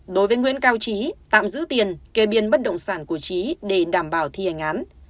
đối với nguyễn cao trí tạm giữ tiền kê biên bất động sản của trí để đảm bảo thi hành án